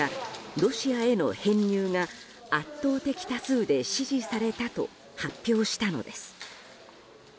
ロシアへの編入が、圧倒的多数で支持されたと発表したのです。